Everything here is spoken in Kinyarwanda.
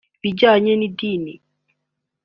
ibijyanye n’idini